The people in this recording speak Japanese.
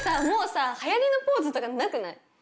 もうさはやりのポーズとかなくない？